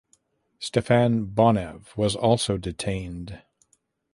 Stefan Bonev was also detained.